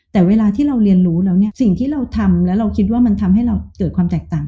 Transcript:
แต่เวลาที่เราเรียนรู้แล้วเนี่ยสิ่งที่เราทำแล้วเราคิดว่ามันทำให้เราเกิดความแตกต่าง